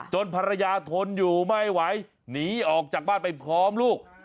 ภรรยาทนอยู่ไม่ไหวหนีออกจากบ้านไปพร้อมลูก